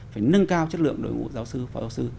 phải nâng cao chất lượng đội ngũ giáo sư phó giáo sư